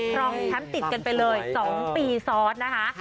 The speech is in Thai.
รองแชมป์ติดกันไปเลย๒ปีซ้อนนะคะ